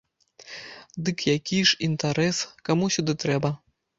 Дык які ж інтэрас, каму сюды трэба?